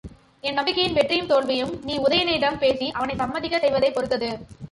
என் நம்பிக்கையின் வெற்றியும் தோல்வியும், நீ உதயணனிடம் பேசி அவனைச் சம்மதிக்கச் செய்வதைப் பொறுத்தது!